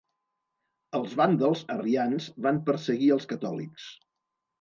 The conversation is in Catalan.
Els vàndals, arrians, van perseguir els catòlics.